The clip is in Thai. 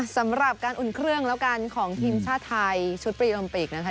สำหรับการอุ่นเครื่องแล้วกันของทีมชาติไทยชุดปรีโอมปิกนะคะ